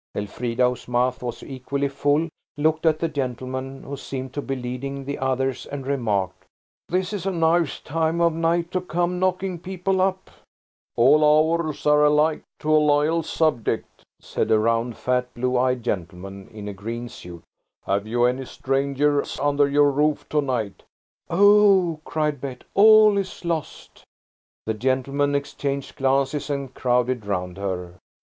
Elfrida, whose mouth was equally full, looked at the gentleman who seemed to be leading the others, and remarked– "This is a nice time of night to come knocking people up!" "'NOW,' SAID A DOZEN VOICES, 'THE TRUTH, LITTLE MISS.'" "All hours are alike to a loyal subject," said a round, fat, blue eyed gentleman in a green suit. "Have you any strangers under your roof to night?" "Oh!" cried Bet," all is lost!" The gentlemen exchanged glances and crowded round her.